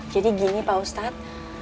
jadi gini pak ustadz